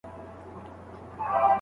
زوی له ډېر وخته موزيم ته روان دی.